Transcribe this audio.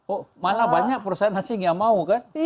oh malah banyak perusahaan asing yang mau kan